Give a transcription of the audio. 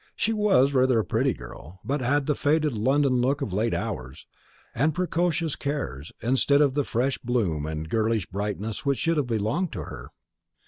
She was rather a pretty girl, but had the faded London look of late hours, and precocious cares, instead of the fresh bloom and girlish brightness which should have belonged to her.